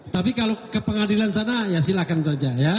tapi kalau ke pengadilan sana ya silahkan saja ya